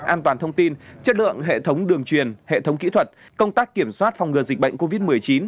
an toàn thông tin chất lượng hệ thống đường truyền hệ thống kỹ thuật công tác kiểm soát phòng ngừa dịch bệnh covid một mươi chín